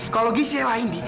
kalau gisi yang lain indi